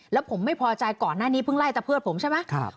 แล้วผมไม่พอใจก่อนหน้านี้เพิ่งไล่ตะเพิดผมใช่ไหม